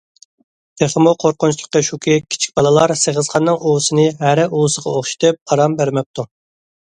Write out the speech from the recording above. تېخىمۇ قورقۇنچلۇقى شۇكى، كىچىك بالىلار سېغىزخاننىڭ ئۇۋىسىنى ھەرە ئۇۋىسىغا ئوخشىتىپ، ئارام بەرمەپتۇ.